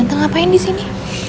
tante ngapain disini